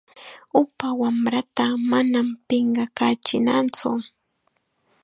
Upa wamrata manam pinqakachinatsu.